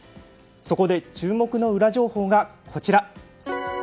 そこで注目のウラ情報がこちら。